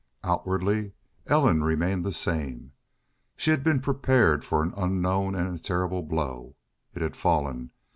Outwardly Ellen remained the same. She had been prepared for an unknown and a terrible blow. It had fallen.